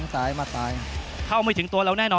นักมวยจอมคำหวังเว่เลยนะครับ